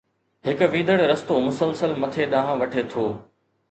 هڪ ويندڙ رستو مسلسل مٿي ڏانهن وٺي ٿو.